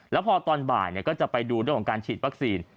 แล้วพอตอนบ่ายก็จะไปดูเรื่องของการฉีดวัคซีน